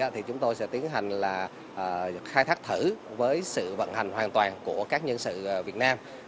thì chúng tôi sẽ tiến hành là khai thác thử với sự vận hành hoàn toàn của các nhân sự việt nam